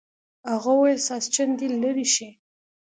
هغه وویل ساسچن دې لرې شي.